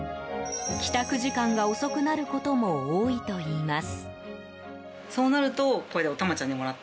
帰宅時間が遅くなることも多いといいます。